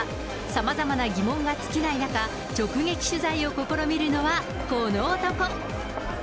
さまざまな疑問が尽きない中、直撃取材を試みるのはこの男。